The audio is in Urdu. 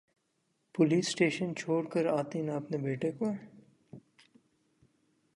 پولیس اسٹیشن چھوڑ کر آتی نا اپنے بیٹے کو